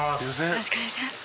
「よろしくお願いします」